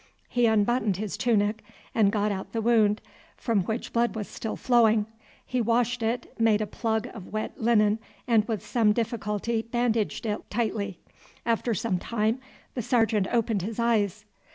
He unbuttoned his tunic and got at the wound, from which blood was still flowing. He washed it, made a plug of wet linen, and with some difficulty bandaged it tightly. After some time the sergeant opened his eyes.